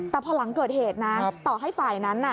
แต่พอหลังเกิดเหตุนะต่อให้ฝ่ายนั้นน่ะ